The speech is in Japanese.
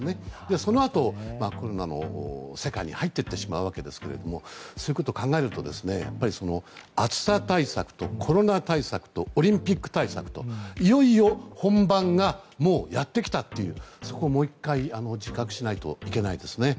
そのあと、コロナの世界に入って行ってしまうわけですがそういうことを考えると暑さ対策とコロナ対策とオリンピック対策といよいよ本番がもうやってきたというそこをもう１回自覚しないといけないですね。